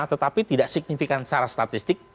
tetapi tidak signifikan secara statistik